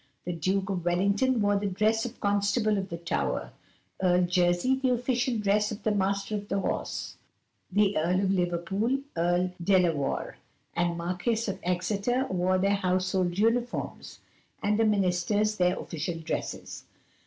The Duke of Wellington wore the dress of Constable of the Tower, Earl Jersey the official dress of Master of the Horse, the Earl of Liverpool, Earl Delawarr, and the Marquis of Exeter wore their household uniforms, and the Ministers their official dresses.